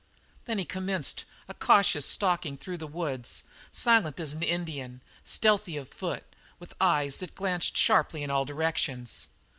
Then he commenced a cautious stalking through the woods, silent as an Indian, stealthy of foot, with eyes that glanced sharply in all directions.